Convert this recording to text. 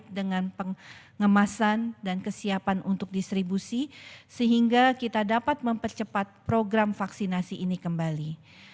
dengan pengemasan dan kesiapan untuk distribusi sehingga kita dapat mempercepat program vaksinasi ini kembali